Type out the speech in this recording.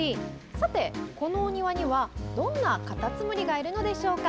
さて、このお庭にはどんなカタツムリがいるのでしょうか。